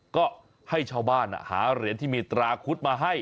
ก็ให้ชาวบ้านหาเหรียญที่มีตราคุดมาให้